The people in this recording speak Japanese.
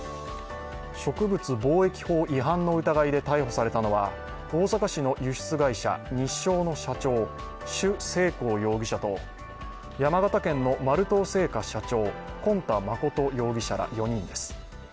植物防疫法違反の疑いで逮捕されたのは大阪市の輸出会社、日祥の社長、朱清宏容疑者と山形県のマルトウ青果社長、今田真容疑者ら４人です。